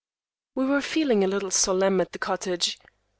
We were feeling a little solemn at the cottage.